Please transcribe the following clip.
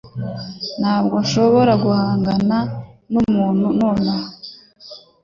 Ntabwo nshobora guhangana numuntu nonaha